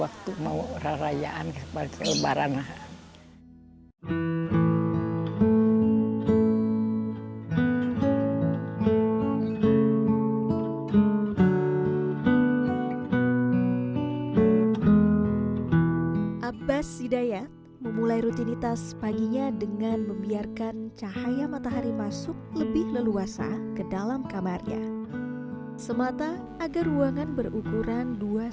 keluar banyaknyaotti waktu mau rayaan sepage bar